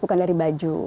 bukan dari baju